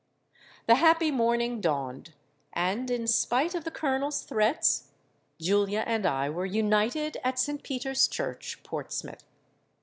"The happy morning dawned; and, in spite of the Colonel's threats, Julia and I were united at St. Peter's Church, Portsmouth.